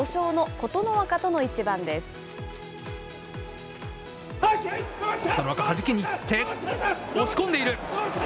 琴ノ若、はじきにいって、押し込んでいる。